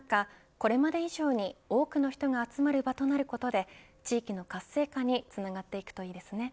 これまで以上に多くの人が集まる場となることで地域の活性化につながっていくといいですね。